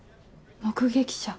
目撃者。